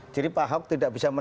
jadi pak ahok tidak bisa menentang